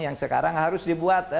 yang sekarang harus dibuat